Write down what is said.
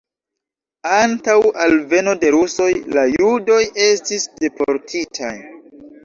Antaŭ alveno de rusoj la judoj estis deportitaj.